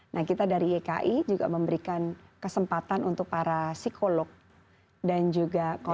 nah kita dari yki juga memberikan kesempatan untuk para psikolog dan juga korban